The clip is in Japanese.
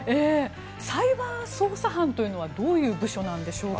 サイバー捜査班というのはどういう部署なのでしょうか。